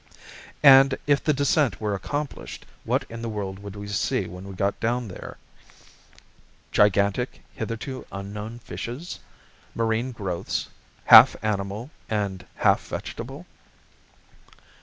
And, if the descent were accomplished, what in the world would we see when we got down there? Gigantic, hitherto unknown fishes? Marine growths, half animal and half vegetable?